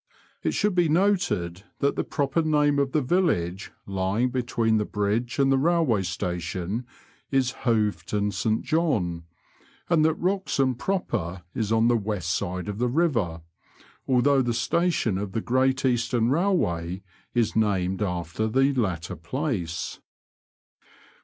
It shoold be noted that the proper name of the village lying between the bridge and the railway station is Hoveton St John, and that Wroxham proper is on the west side of the river, although the station of the Great Eastern Bailway is named after the latter place.